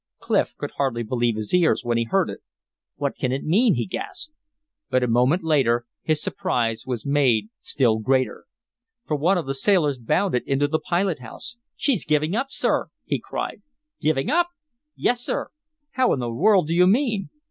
Clif could hardly believe his ears when he heard it. "What can it mean?" he gasped. But a moment later his surprise was made still greater. For one of the sailors bounded into the pilot house. "She's giving up, sir!" he cried. "Giving up!" "Yes, sir." "How in the world do you mean?"